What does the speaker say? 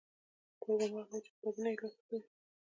ټول به هماغه و چې په کتابونو کې یې لوستي وو.